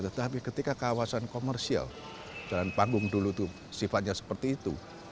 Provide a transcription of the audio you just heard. tetapi ketika kawasan komersial jalan panggung dulu itu sifatnya seperti itu